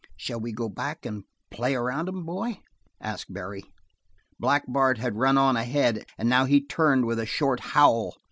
"Shall we go back and play around 'em, boy?" asked Barry. Black Bart had run on ahead, and now he turned with a short howl.